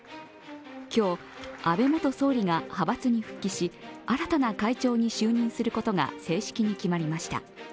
今日、安倍元総理が派閥に復帰し新たな会長に就任することが正式に決まりました。